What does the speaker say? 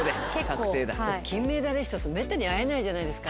金メダリストとめったに会えないじゃないですか。